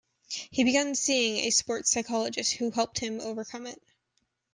He began seeing a sport psychologist who helped him overcome it.